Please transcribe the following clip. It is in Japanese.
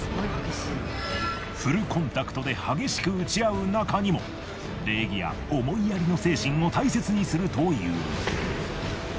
フルコンタクトで激しく打ち合う中にも礼儀や思いやりの精神を大切にするという。